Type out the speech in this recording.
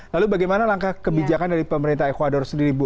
lalu bagaimana langkah kebijakan dari pemerintah ecuador sendiri bu